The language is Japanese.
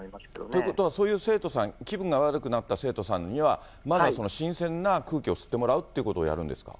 ということは、そういう生徒さん、気分が悪くなった生徒さんには、まず新鮮な空気を吸ってもらうってことをやるんですか？